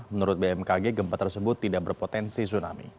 menurut bmkg gempa tersebut tidak berpotensi tsunami